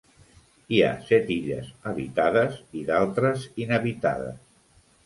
Hi ha set illes habitades i d'altres inhabitades.